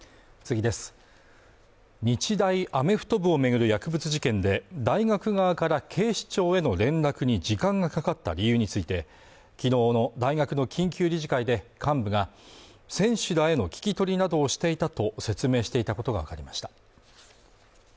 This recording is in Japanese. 日大アメフト部を巡る薬物事件で大学側から警視庁への連絡に時間がかかった理由について昨日の大学の緊急理事会で幹部が選手らへの聞き取りなどをしていたと説明していたことが分かりました